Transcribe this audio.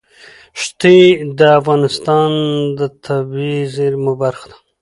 ښتې د افغانستان د طبیعي زیرمو برخه ده.